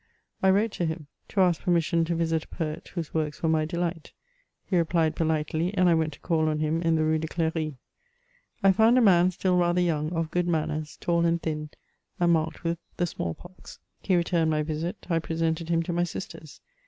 I wrote to him to ask permission to visit a poet, whose works were my deHght ; he replied politely, and I went to call on him, in the Rue de Cl^ry. I found a man still rather young, of good manners, tall and thin, and marked with the small pox. He returned my visit ; I presented him to my sisters.